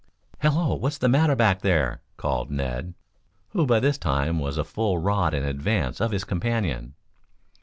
"Hello, what's the matter back there?" called Ned, who by this time was a full rod in advance of his companion.